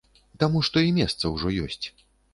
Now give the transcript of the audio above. Таму што і месца ўжо ёсць.